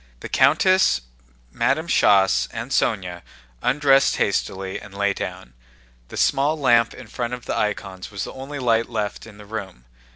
The countess, Madame Schoss, and Sónya undressed hastily and lay down. The small lamp in front of the icons was the only light left in the room.